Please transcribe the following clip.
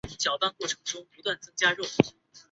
里面有海瓜子